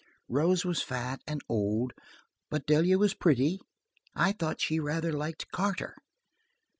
Rose was fat and old, but Delia was pretty. I thought she rather liked Carter."